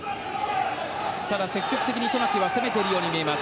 ただ、積極的に渡名喜は攻めているように見えます。